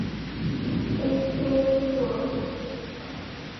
It's been proved.